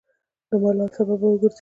د ملال سبب به وګرځي.